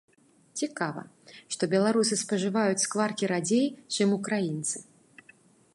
Цікава, што беларусы спажываюць скваркі радзей, чым украінцы.